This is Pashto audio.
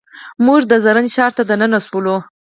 موږ د زرنج ښار ته دننه شولو.